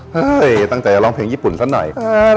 ตั้งใจจะร้องเพลงญี่ปุ่นซะหน่อย